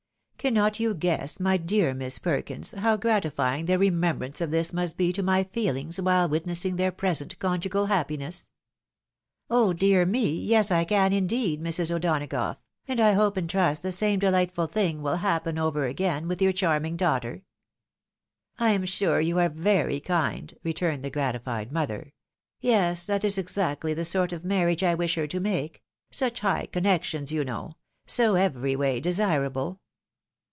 Cannot you guess, my dear Miss Perkins, how gratifying the remem Ijrance of this must be to my feelings while witnessing their present conjugal happiness ?"" Oh dear me ! yes, I can indeed, Mrs. O'Donagough, and I hope and trust the same delightful thing will happen over again with your charming daughter." " I am sure you are very kind," returned the gratified mother ;" yes, that is exactly the sort of marriage I wish her to make — such high connections you know !— so every way desirable."